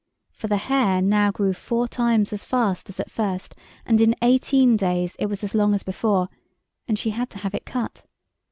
For the hair now grew four times as fast as at first, and in eighteen days it was as long as before, and she had to have it cut.